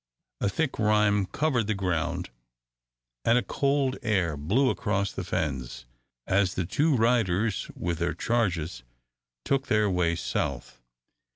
A thick rime covered the ground, and a cold air blew across the fens, as the two riders with their charges took their way south.